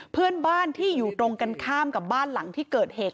เพื่อนบ้านที่อยู่ตรงกันข้ามกับบ้านหลังที่เกิดเหตุ